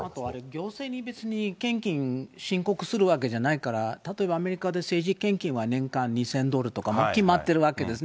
行政に別に献金申告するわけじゃないから、例えばアメリカで政治献金は年間２０００ドルとか、決まってるわけです。